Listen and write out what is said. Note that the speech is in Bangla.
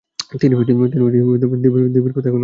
তিনি দেবীর কথা এখনো শুনতে পাচ্ছেন।